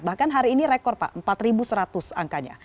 bahkan hari ini rekor pak empat seratus angkanya